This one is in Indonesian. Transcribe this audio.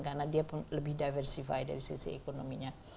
karena dia pun lebih diversifikasi dari sisi ekonominya